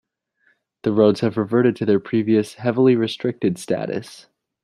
The roads have reverted to their previous 'heavily restricted' status.